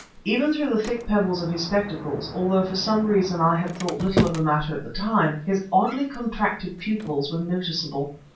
Even through the thick pebbles of his spectacles, although for some reason I had thought little of the matter at the time, his oddly contracted pupils were noticeable.